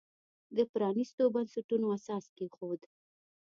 د پرانیستو بنسټونو اساس کېښود.